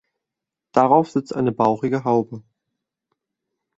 Darauf sitzt eine bauchige Haube.